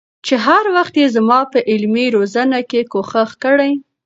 چې هر وخت يې زما په علمي روزنه کي کوښښ کړي